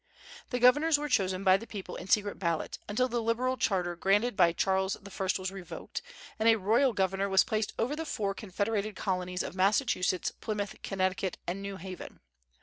The governors were chosen by the people in secret ballot, until the liberal charter granted by Charles I. was revoked, and a royal governor was placed over the four confederated Colonies of Massachusetts, Plymouth, Connecticut, and New Haven.